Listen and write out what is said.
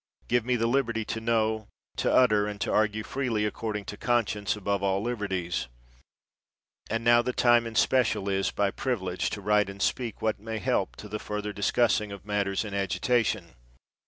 Give me the liberty to know, to utter, and to argue freely according to conscience, above all liberties. And now the time in special is, by privilege to write and speak what may help to the further discussing of matters in agitation.